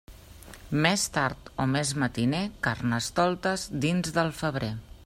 Més tard o més matiner, Carnestoltes, dins del febrer.